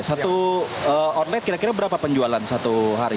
satu online kira kira berapa penjualan satu hari